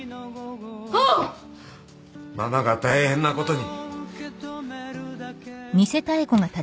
ママが大変なことに。